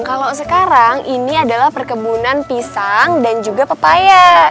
kalau sekarang ini adalah perkebunan pisang dan juga pepaya